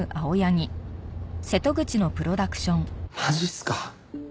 マジっすか？